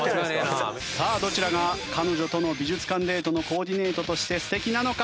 さあどちらが彼女との美術館デートのコーディネートとして素敵なのか？